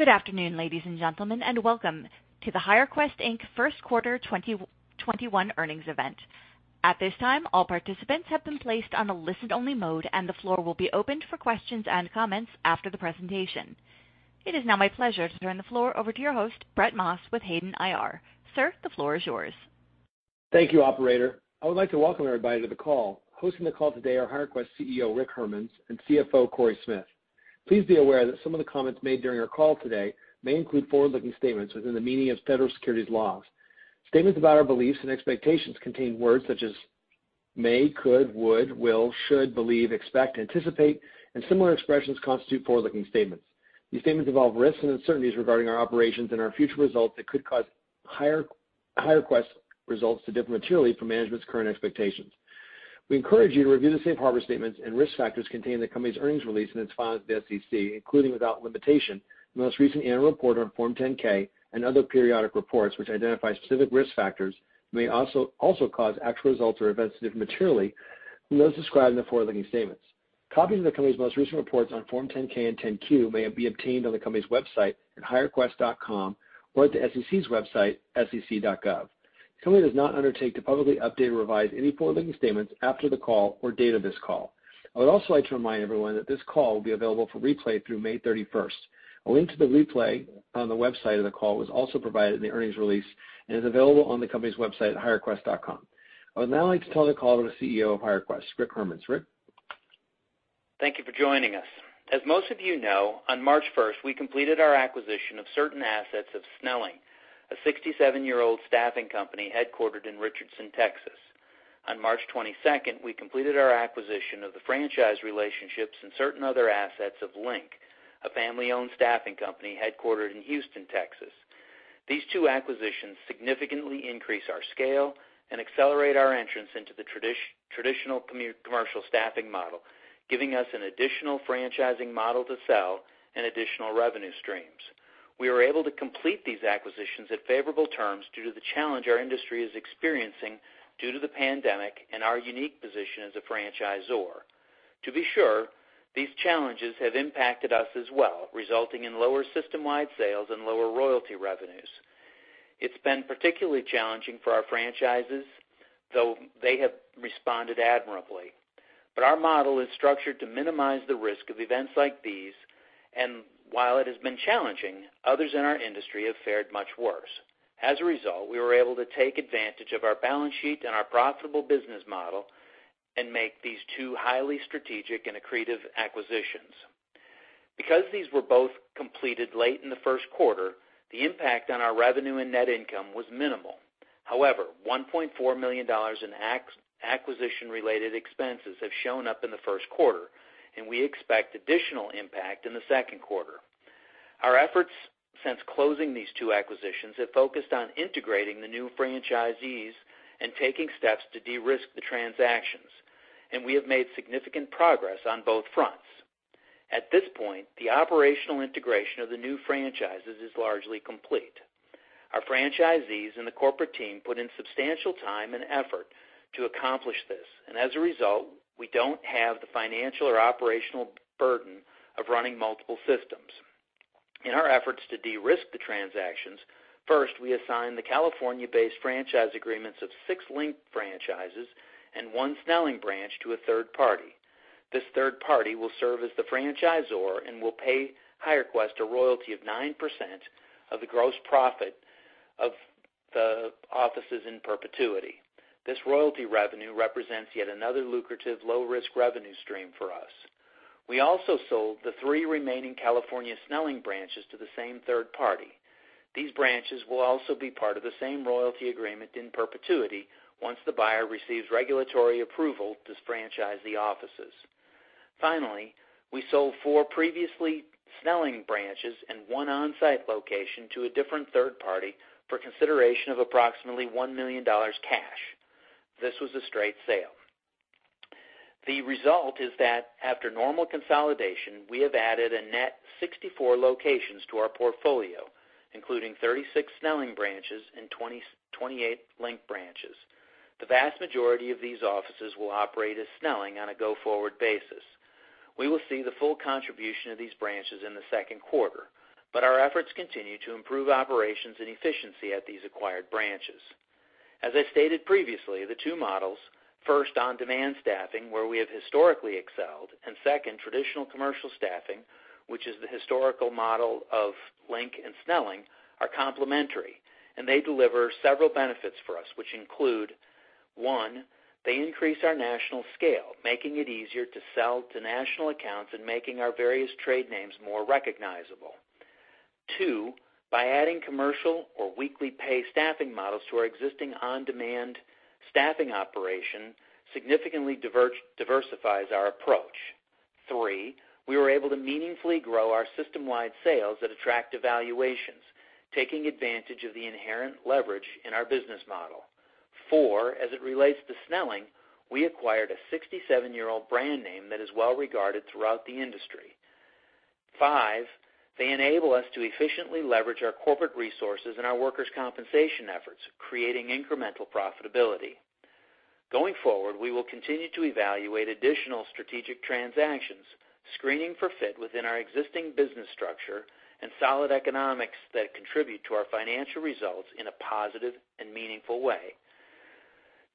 Good afternoon, ladies and gentlemen, and welcome to the HireQuest, Inc. First Quarter 2021 Earnings Event. At this time, all participants have been placed on a listen-only mode, and the floor will be opened for questions and comments after the presentation. It is now my pleasure to turn the floor over to your host, Brett Maas, with Hayden IR. Sir, the floor is yours. Thank you, operator. I would like to welcome everybody to the call. Hosting the call today are HireQuest CEO, Rick Hermanns, and CFO, Cory Smith. Please be aware that some of the comments made during our call today may include forward-looking statements within the meaning of federal securities laws. Statements about our beliefs and expectations contain words such as may, could, would, will, should, believe, expect, anticipate, and similar expressions constitute forward-looking statements. These statements involve risks and uncertainties regarding our operations and our future results that could cause HireQuest results to differ materially from management's current expectations. We encourage you to review the safe harbor statements and risk factors contained in the company's earnings release and its files with the SEC, including, without limitation, the most recent annual report on Form 10-K and other periodic reports, which identify specific risk factors may also cause actual results or events to differ materially from those described in the forward-looking statements. Copies of the company's most recent reports on Form 10-K and 10-Q may be obtained on the company's website at hirequest.com or at the SEC's website, sec.gov. The company does not undertake to publicly update or revise any forward-looking statements after the call or date of this call. I would also like to remind everyone that this call will be available for replay through May 31st. A link to the replay on the website of the call was also provided in the earnings release and is available on the company's website, hirequest.com. I would now like to turn the call to the CEO of HireQuest, Rick Hermanns. Rick? Thank you for joining us. As most of you know, on March 1st, we completed our acquisition of certain assets of Snelling, a 67-year-old staffing company headquartered in Richardson, Texas. On March 22nd, we completed our acquisition of the franchise relationships and certain other assets of Link, a family-owned staffing company headquartered in Houston, Texas. These two acquisitions significantly increase our scale and accelerate our entrance into the traditional commercial staffing model, giving us an additional franchising model to sell and additional revenue streams. We were able to complete these acquisitions at favorable terms due to the challenge our industry is experiencing due to the pandemic and our unique position as a franchisor. To be sure, these challenges have impacted us as well, resulting in lower system-wide sales and lower royalty revenues. It's been particularly challenging for our franchises, though they have responded admirably. Our model is structured to minimize the risk of events like these, and while it has been challenging, others in our industry have fared much worse. As a result, we were able to take advantage of our balance sheet and our profitable business model and make these two highly strategic and accretive acquisitions. These were both completed late in the first quarter, the impact on our revenue and net income was minimal. However, $1.4 million in acquisition-related expenses have shown up in the first quarter, and we expect additional impact in the second quarter. Our efforts since closing these two acquisitions have focused on integrating the new franchisees and taking steps to de-risk the transactions, and we have made significant progress on both fronts. At this point, the operational integration of the new franchises is largely complete. Our franchisees and the corporate team put in substantial time and effort to accomplish this, and as a result, we don't have the financial or operational burden of running multiple systems. In our efforts to de-risk the transactions, first, we assigned the California-based franchise agreements of six LINK franchises and one Snelling branch to a third party. This third party will serve as the franchisor and will pay HireQuest a royalty of 9% of the gross profit of the offices in perpetuity. This royalty revenue represents yet another lucrative low-risk revenue stream for us. We also sold the three remaining California Snelling branches to the same third party. These branches will also be part of the same royalty agreement in perpetuity once the buyer receives regulatory approval to franchise the offices. Finally, we sold four previously Snelling branches and one on-site location to a different third party for consideration of approximately $1 million cash. This was a straight sale. The result is that after normal consolidation, we have added a net 64 locations to our portfolio, including 36 Snelling branches and 28 Link branches. The vast majority of these offices will operate as Snelling on a go-forward basis. We will see the full contribution of these branches in the second quarter, but our efforts continue to improve operations and efficiency at these acquired branches. As I stated previously, the two models, first on-demand staffing, where we have historically excelled, and second, traditional commercial staffing, which is the historical model of Link and Snelling, are complementary, and they deliver several benefits for us, which include, one, they increase our national scale, making it easier to sell to national accounts and making our various trade names more recognizable. Two, by adding commercial or weekly pay staffing models to our existing on-demand staffing operation, significantly diversifies our approach. Three, we were able to meaningfully grow our system-wide sales at attractive valuations, taking advantage of the inherent leverage in our business model. Four, as it relates to Snelling, we acquired a 67-year-old brand name that is well-regarded throughout the industry. Five, they enable us to efficiently leverage our corporate resources and our workers' compensation efforts, creating incremental profitability. Going forward, we will continue to evaluate additional strategic transactions, screening for fit within our existing business structure and solid economics that contribute to our financial results in a positive and meaningful way.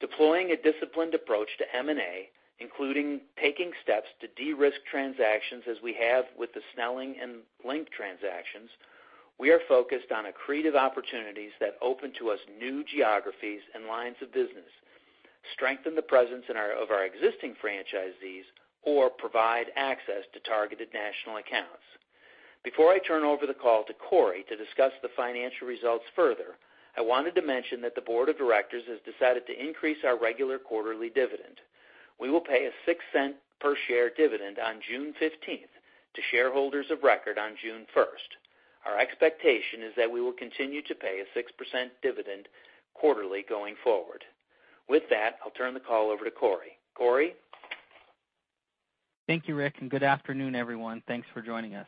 Deploying a disciplined approach to M&A, including taking steps to de-risk transactions as we have with the Snelling and LINK Staffing transactions, we are focused on accretive opportunities that open to us new geographies and lines of business, strengthen the presence of our existing franchisees, or provide access to targeted national accounts. Before I turn over the call to Cory to discuss the financial results further, I wanted to mention that the board of directors has decided to increase our regular quarterly dividend. We will pay a $0.06 per share dividend on June 15th to shareholders of record on June 1st. Our expectation is that we will continue to pay a $0.06 dividend quarterly going forward. With that, I'll turn the call over to Cory. Cory? Thank you, Rick, and good afternoon, everyone. Thanks for joining us.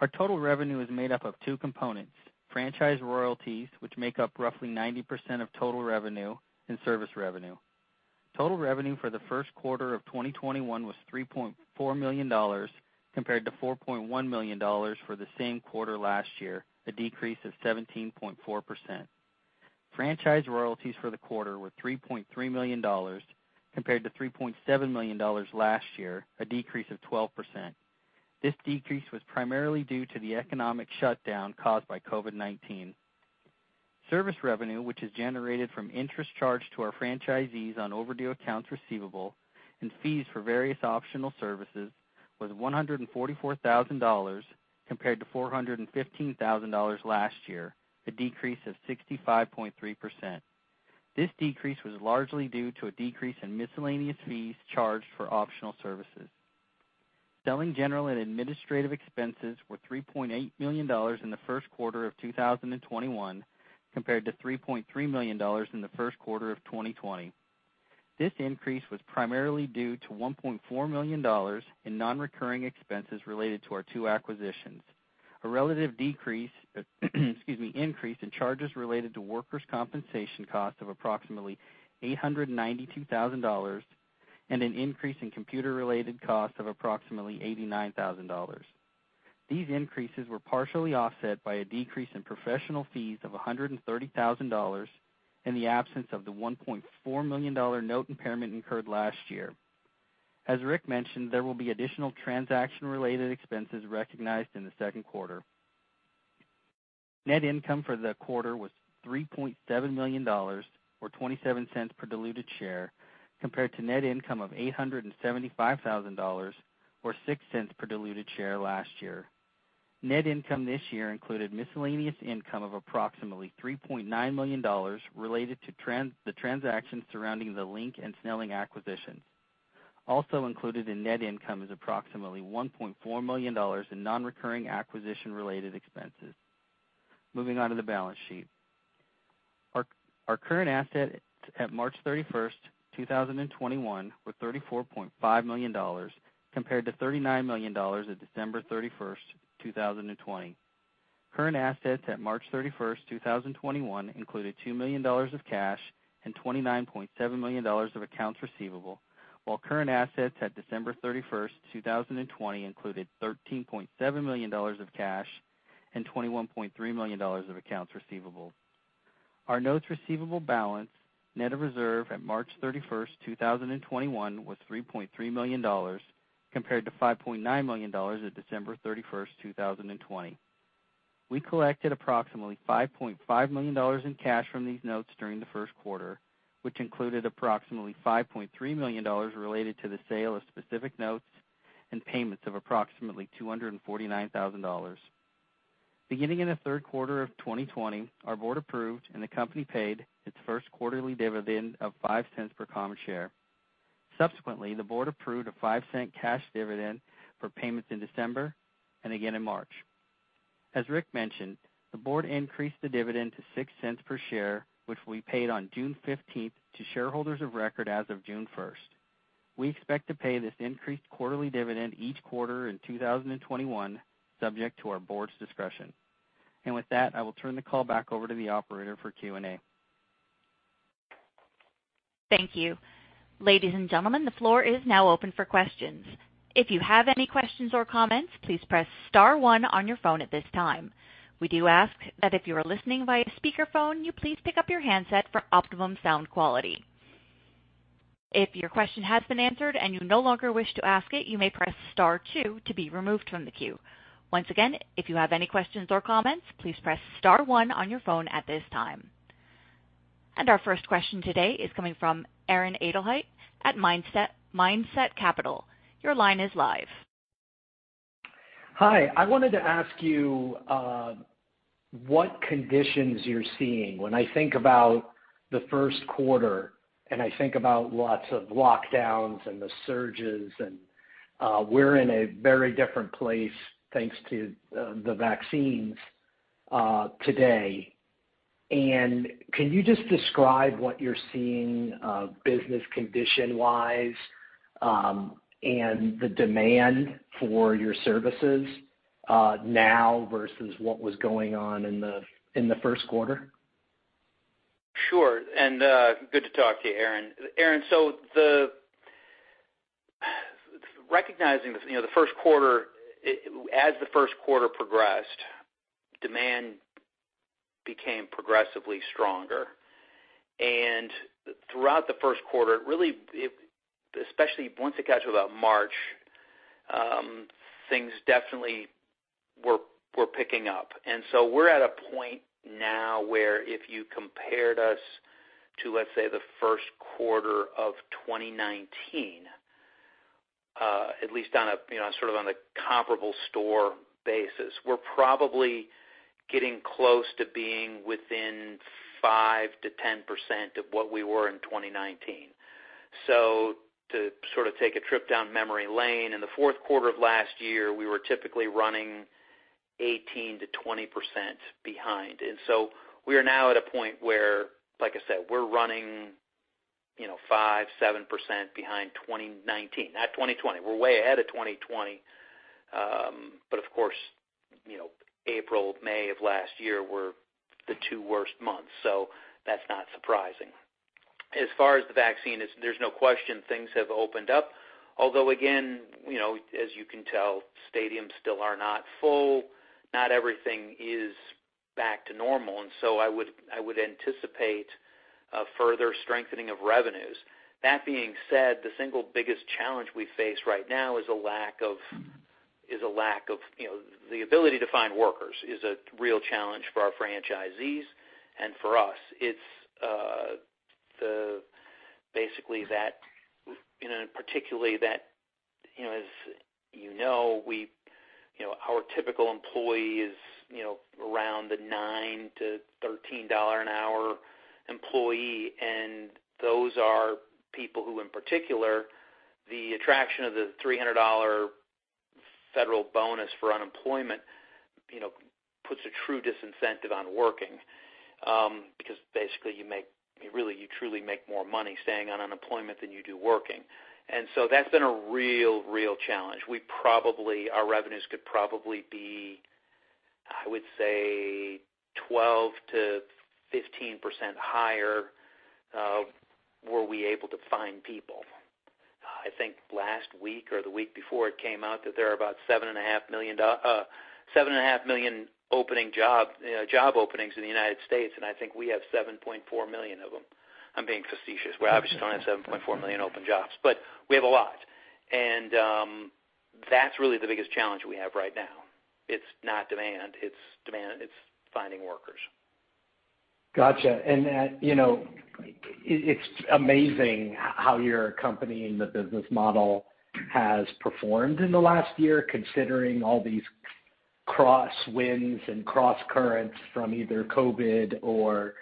Our total revenue is made up of two components, franchise royalties, which make up roughly 90% of total revenue, and service revenue. Total revenue for the first quarter of 2021 was $3.4 million, compared to $4.1 million for the same quarter last year, a decrease of 17.4%. Franchise royalties for the quarter were $3.3 million, compared to $3.7 million last year, a decrease of 12%. This decrease was primarily due to the economic shutdown caused by COVID-19. Service revenue, which is generated from interest charged to our franchisees on overdue accounts receivable and fees for various optional services, was $144,000, compared to $415,000 last year, a decrease of 65.3%. This decrease was largely due to a decrease in miscellaneous fees charged for optional services. Selling, general, and administrative expenses were $3.8 million in the first quarter of 2021, compared to $3.3 million in the first quarter of 2020. This increase was primarily due to $1.4 million in non-recurring expenses related to our two acquisitions. A relative increase in charges related to workers' compensation cost of approximately $892,000 and an increase in computer-related cost of approximately $89,000. These increases were partially offset by a decrease in professional fees of $130,000 and the absence of the $1.4 million note impairment incurred last year. As Rick mentioned, there will be additional transaction-related expenses recognized in the second quarter. Net income for the quarter was $3.7 million, or $0.27 per diluted share, compared to net income of $875,000, or $0.06 per diluted share last year. Net income this year included miscellaneous income of approximately $3.9 million related to the transactions surrounding the Link and Snelling acquisitions. Also included in net income is approximately $1.4 million in non-recurring acquisition-related expenses. Moving on to the balance sheet. Our current assets at March 31st, 2021, were $34.5 million, compared to $39 million at December 31st, 2020. Current assets at March 31st, 2021, included $2 million of cash and $29.7 million of accounts receivable, while current assets at December 31st, 2020, included $13.7 million of cash and $21.3 million of accounts receivable. Our notes receivable balance net of reserve at March 31st, 2021, was $3.3 million, compared to $5.9 million at December 31st, 2020. We collected approximately $5.5 million in cash from these notes during the first quarter, which included approximately $5.3 million related to the sale of specific notes and payments of approximately $249,000. Beginning in the third quarter of 2020, our board approved and the company paid its first quarterly dividend of $0.05 per common share. Subsequently, the board approved a $0.05 cash dividend for payments in December and again in March. As Rick mentioned, the board increased the dividend to $0.06 per share, which will be paid on June 15th to shareholders of record as of June 1st. We expect to pay this increased quarterly dividend each quarter in 2021, subject to our board's discretion. With that, I will turn the call back over to the operator for Q&A. Thank you. Ladies and gentlemen, the floor is now open for questions. If you have any questions or comments, please press star one on your phone at this time. We do ask that if you are listening via speakerphone, you please pick up your handset for optimum sound quality. If your question has been answered and you no longer wish to ask it, you may press star two to be removed from the queue. Once again, if you have any questions or comments, please press star one on your phone at this time. Our first question today is coming from Aaron Edelheit at Mindset Capital. Your line is live. Hi. I wanted to ask you what conditions you're seeing. When I think about the first quarter, and I think about lots of lockdowns and the surges, and we're in a very different place thanks to the vaccines today. Can you just describe what you're seeing business condition-wise, and the demand for your services now versus what was going on in the first quarter? Sure. Good to talk to you, Aaron. Aaron, recognizing as the first quarter progressed, demand became progressively stronger. Throughout the first quarter, especially once it got to about March, things definitely were picking up. We're at a point now where if you compared us to, let's say, the first quarter of 2019, at least sort of on a comparable store basis, we're probably getting close to being within 5%-10% of what we were in 2019. To take a trip down memory lane, in the fourth quarter of last year, we were typically running 18%-20% behind. We are now at a point where, like I said, we're running 5%, 7% behind 2019, not 2020. We're way ahead of 2020. Of course, April, May of last year were the two worst months, so that's not surprising. As far as the vaccine, there's no question things have opened up. Although, again, as you can tell, stadiums still are not full. Not everything is back to normal. I would anticipate a further strengthening of revenues. That being said, the single biggest challenge we face right now is a lack of the ability to find workers, is a real challenge for our franchisees and for us. It's basically that, and particularly that, as you know, our typical employee is around the $9-$13 an hour employee. Those are people who, in particular, the attraction of the $300 federal bonus for unemployment puts a true disincentive on working. Basically you truly make more money staying on unemployment than you do working. That's been a real challenge. Our revenues could probably be, I would say, 12%-15% higher were we able to find people. I think last week or the week before, it came out that there are about 7.5 million job openings in the United States, and I think we have 7.4 million of them. I'm being facetious. We obviously don't have 7.4 million open jobs, but we have a lot. That's really the biggest challenge we have right now. It's not demand, it's finding workers. Got you. It's amazing how your company and the business model has performed in the last year, considering all these crosswinds and crosscurrents from either COVID or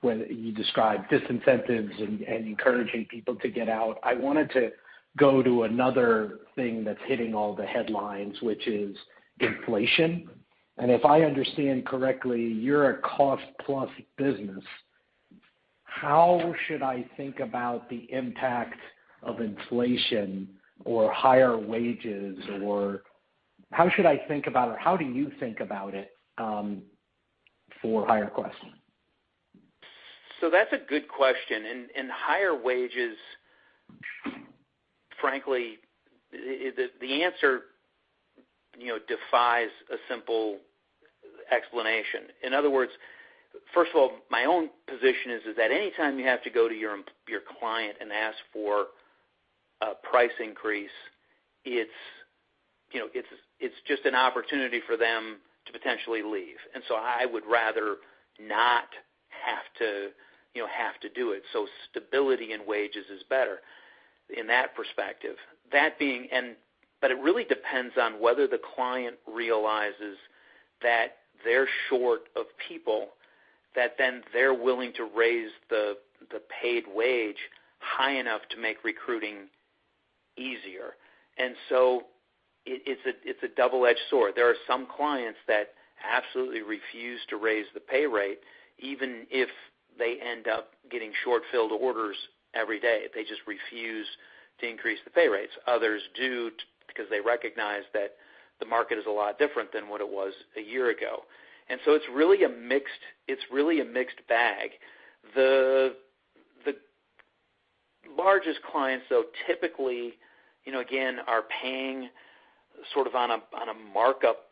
when you describe disincentives and encouraging people to get out. I wanted to go to another thing that's hitting all the headlines, which is inflation. If I understand correctly, you're a cost-plus business. How should I think about the impact of inflation or higher wages, or how should I think about it? How do you think about it for HireQuest? That's a good question. Higher wages, frankly, the answer defies a simple explanation. In other words, first of all, my own position is that anytime you have to go to your client and ask for a price increase, it's just an opportunity for them to potentially leave. I would rather not have to do it. Stability in wages is better in that perspective. It really depends on whether the client realizes that they're short of people, that then they're willing to raise the paid wage high enough to make recruiting easier. It's a double-edged sword. There are some clients that absolutely refuse to raise the pay rate, even if they end up getting short-filled orders every day. They just refuse to increase the pay rates. Others do because they recognize that the market is a lot different than what it was one year ago. It's really a mixed bag. The largest clients, though, typically, again, are paying sort of on a markup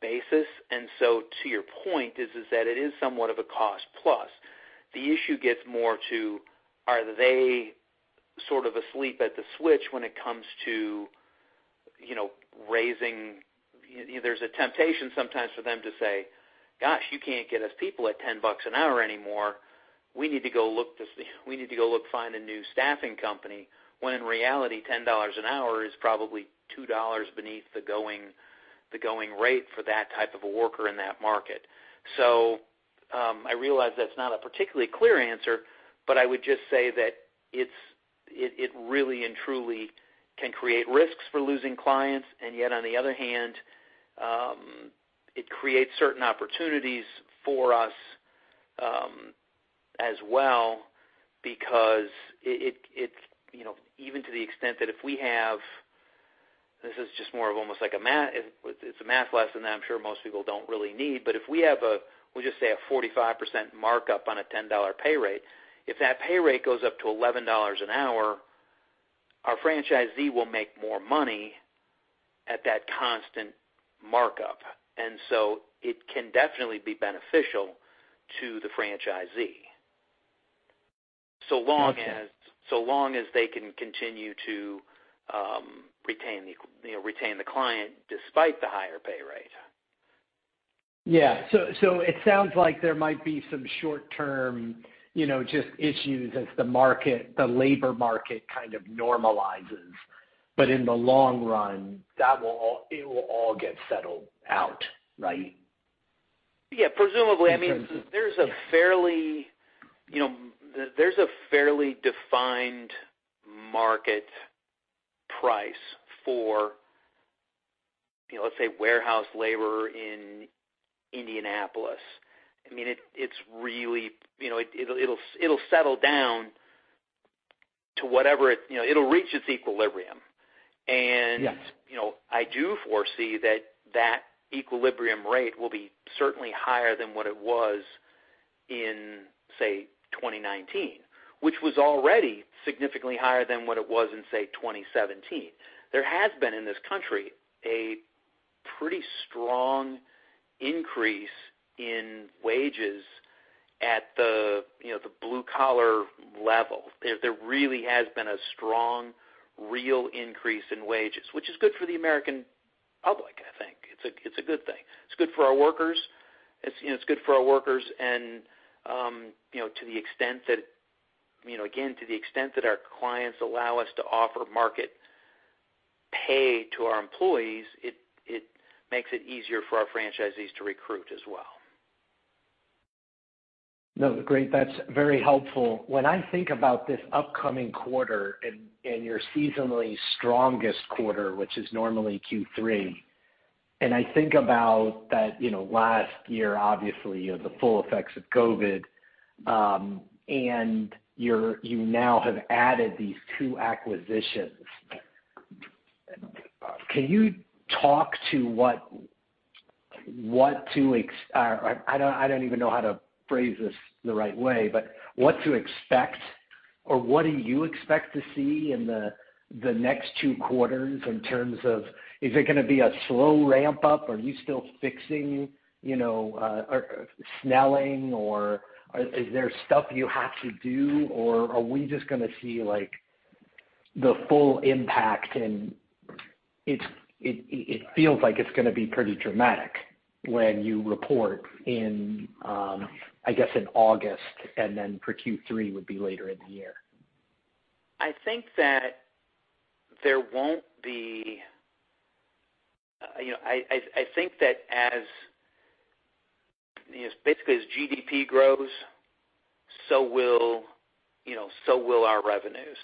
basis. To your point is that it is somewhat of a cost plus. The issue gets more to are they sort of asleep at the switch when it comes to raising. There's a temptation sometimes for them to say, "Gosh, you can't get us people at $10 an hour anymore. We need to go look to find a new staffing company." When in reality, $10 an hour is probably $2 beneath the going rate for that type of a worker in that market. I realize that's not a particularly clear answer, but I would just say that it really and truly can create risks for losing clients. Yet, on the other hand, it creates certain opportunities for us as well, because even to the extent that if we have, this is just more of almost like a math lesson that I'm sure most people don't really need. If we have, we'll just say a 45% markup on a $10 pay rate, if that pay rate goes up to $11 an hour, our franchisee will make more money at that constant markup. It can definitely be beneficial to the franchisee, so long as they can continue to retain the client despite the higher pay rate. Yeah. It sounds like there might be some short-term just issues as the labor market kind of normalizes. In the long run, it will all get settled out, right? Yeah, presumably. There's a fairly defined market price for, let's say, warehouse labor in Indianapolis. It'll settle down. It'll reach its equilibrium. Yes. I do foresee that that equilibrium rate will be certainly higher than what it was in, say, 2019, which was already significantly higher than what it was in, say, 2017. There has been in this country a pretty strong increase in wages at the blue-collar level. There really has been a strong real increase in wages, which is good for the American public, I think. It's a good thing. It's good for our workers, and again, to the extent that our clients allow us to offer market pay to our employees, it makes it easier for our franchisees to recruit as well. No, great. That's very helpful. When I think about this upcoming quarter and your seasonally strongest quarter, which is normally Q3, and I think about that last year, obviously, the full effects of COVID-19, and you now have added these two acquisitions. Can you talk to I don't even know how to phrase this the right way, but what to expect or what do you expect to see in the next two quarters in terms of is it going to be a slow ramp-up? Are you still fixing Snelling, or is there stuff you have to do, or are we just going to see the full impact? It feels like it's going to be pretty dramatic when you report in, I guess, in August, and then for Q3 would be later in the year? I think that as basically as GDP grows, so will our revenues.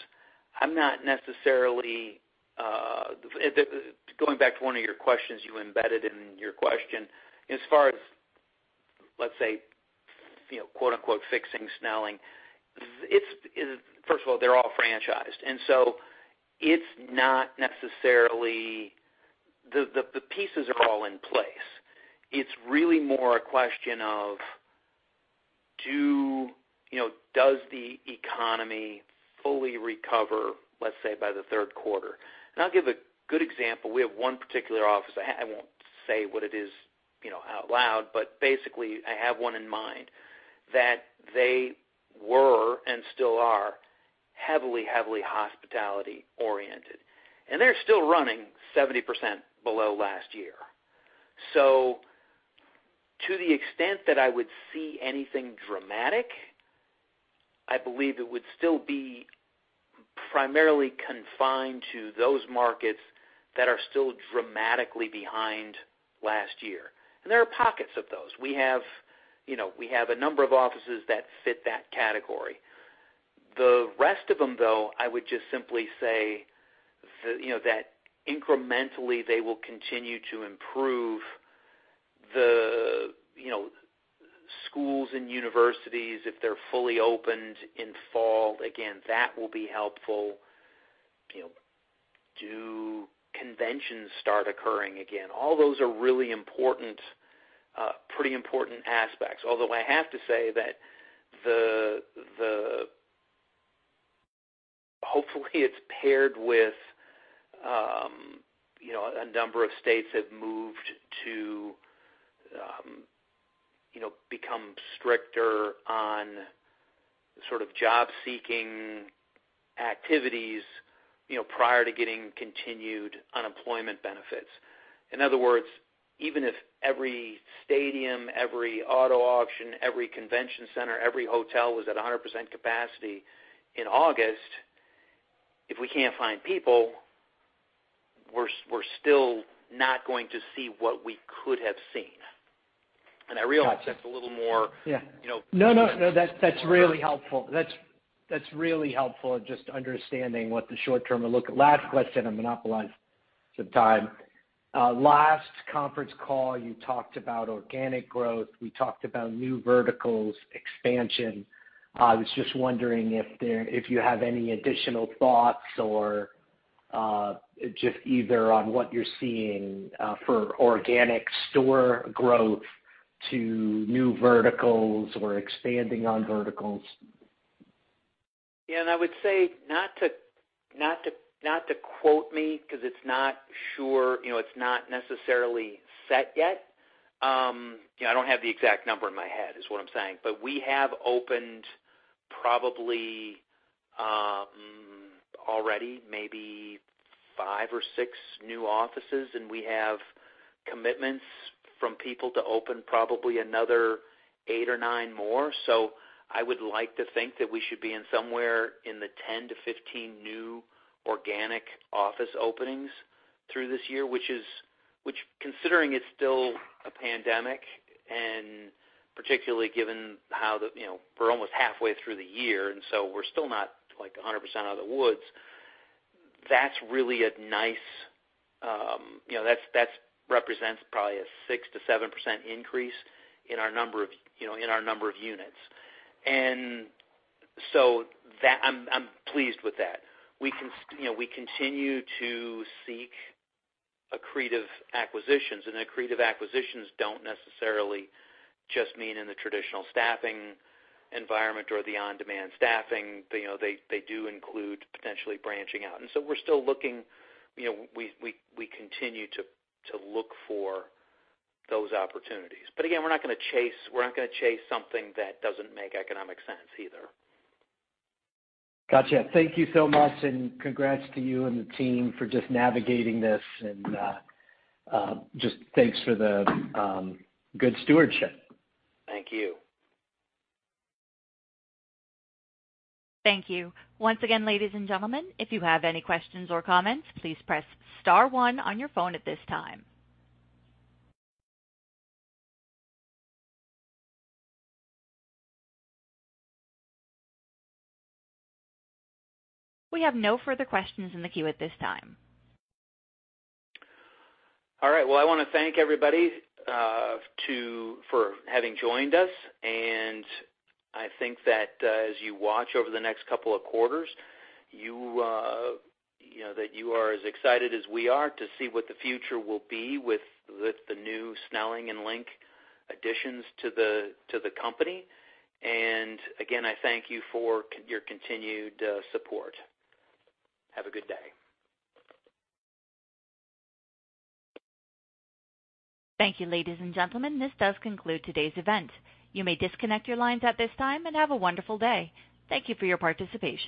Going back to one of your questions, you embedded in your question, as far as let's say, quote unquote, "Fixing Snelling," first of all, they're all franchised, so it's not necessarily the pieces are all in place. It's really more a question of does the economy fully recover, let's say, by the third quarter? I'll give a good example. We have one particular office. I won't say what it is out loud, but basically, I have one in mind that they were and still are heavily hospitality-oriented, and they're still running 70% below last year. To the extent that I would see anything dramatic, I believe it would still be primarily confined to those markets that are still dramatically behind last year. There are pockets of those. We have a number of offices that fit that category. The rest of them, though, I would just simply say that incrementally they will continue to improve the schools and universities if they're fully opened in fall. Again, that will be helpful. Do conventions start occurring again? All those are really pretty important aspects, although I have to say that hopefully it's paired with a number of states have moved to become stricter on sort of job-seeking activities prior to getting continued unemployment benefits. In other words, even if every stadium, every auto auction, every convention center, every hotel was at 100% capacity in August, if we can't find people, we're still not going to see what we could have seen. Yeah. No, that's really helpful. That's really helpful just understanding what the short term look. Last question, I'm monopolizing. Sathdath. Last conference call, you talked about organic growth. We talked about new verticals expansion. I was just wondering if you have any additional thoughts or just either on what you're seeing for organic store growth to new verticals or expanding on verticals. I would say not to quote me because it's not necessarily set yet. I don't have the exact number in my head is what I'm saying. We have opened probably already maybe five or six new offices, and we have commitments from people to open probably another eight or nine more. I would like to think that we should be in somewhere in the 10-15 new organic office openings through this year, which considering it's still a pandemic, and particularly given how we're almost halfway through the year, and so we're still not 100% out of the woods. That represents probably a 6%-7% increase in our number of units. I'm pleased with that. We continue to seek accretive acquisitions, and accretive acquisitions don't necessarily just mean in the traditional staffing environment or the on-demand staffing. They do include potentially branching out. We're still looking, we continue to look for those opportunities. Again, we're not going to chase something that doesn't make economic sense either. Got you. Thank you so much, and congrats to you and the team for just navigating this, and just thanks for the good stewardship. Thank you. Thank you. Once again, ladies and gentlemen, if you have any questions or comments, please press star one on your phone at this time. We have no further questions in the queue at this time. All right. Well, I want to thank everybody for having joined us, and I think that as you watch over the next couple of quarters, that you are as excited as we are to see what the future will be with the new Snelling and Link additions to the company. Again, I thank you for your continued support. Have a good day. Thank you, ladies and gentlemen. This does conclude today's event. You may disconnect your lines at this time, and have a wonderful day. Thank you for your participation.